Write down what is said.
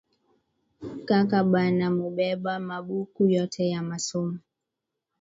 Kaka bana mubeba ma buku yote ya masomo